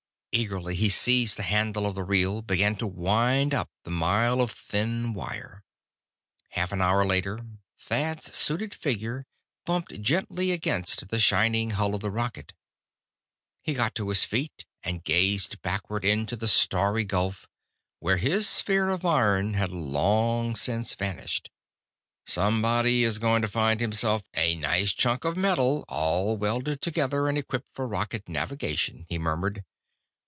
Eagerly he seized the handle of the reel; began to wind up the mile of thin wire. Half an hour later, Thad's suited figure bumped gently against the shining hull of the rocket. He got to his feet, and gazed backward into the starry gulf, where his sphere of iron had long since vanished. "Somebody is going to find himself a nice chunk of metal, all welded together and equipped for rocket navigation," he murmured.